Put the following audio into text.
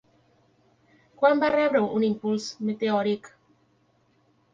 Quan va rebre un impuls meteòric?